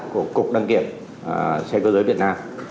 của cục đăng kiểm xe cơ giới việt nam